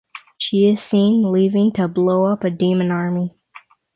She is seen leaving to blow up a demon army.